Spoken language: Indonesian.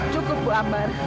cukup bu ambar